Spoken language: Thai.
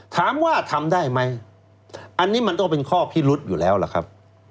ถามว่าทำได้ไหมอันนี้มันก็เป็นข้อพิรุษอยู่แล้วล่ะครับ